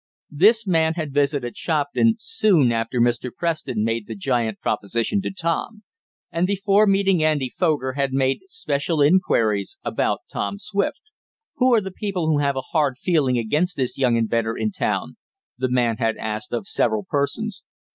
This man had visited Shopton soon after Mr. Preston made the giant proposition to Tom, and before meeting Andy Foger had made special inquiries about Tom Swift. "Who are the people who have a hard feeling against this young inventor in town?" the man had asked of several persons.